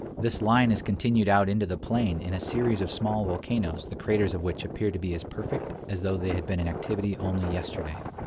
This line is continued out into the plain in a series of small volcanoes the craters of which appear to be as perfect as though they had been in activity only yesterday.